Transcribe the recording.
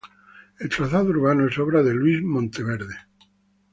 El trazado urbano es obra de Luis Monteverde.